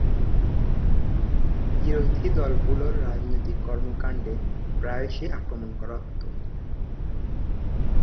বিরোধী দলগুলোর রাজনৈতিক কর্মকাণ্ডে প্রায়শই আক্রমণ করা হত।